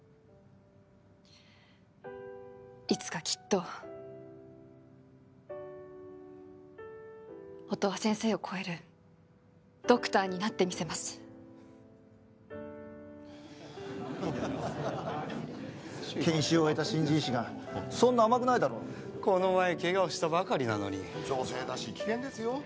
いつかきっと音羽先生を超えるドクターになってみせます・研修を終えた新人医師がそんな甘くないだろこの前ケガをしたばかりなのに女性だし危険ですよ